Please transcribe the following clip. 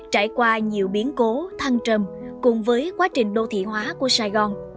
trải qua nhiều biến cố thăng trầm cùng với quá trình đô thị hóa của sài gòn